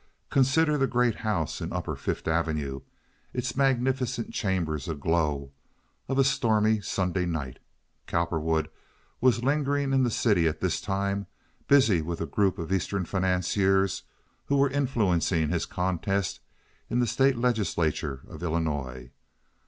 Consider the great house in upper Fifth Avenue, its magnificent chambers aglow, of a stormy Sunday night. Cowperwood was lingering in the city at this time, busy with a group of Eastern financiers who were influencing his contest in the state legislature of Illinois.